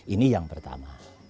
ini yang pertama